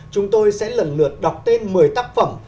chúng tôi sẽ lần lượt đọc tên một mươi tác phẩm